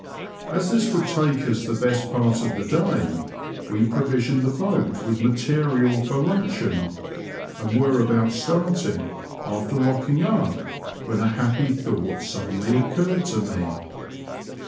As this would take ug the best part of the day, we provisioned the boat with material for luncheon, and were about starting, after locking up, when a. happy thought suddenly occurred to me.